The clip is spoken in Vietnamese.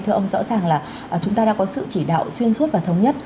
thưa ông rõ ràng là chúng ta đã có sự chỉ đạo xuyên suốt và thống nhất